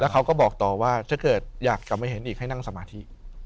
เขาก็บอกต่อว่าถ้าเกิดอยากกลับมาเห็นอีกให้นั่งสมาธิ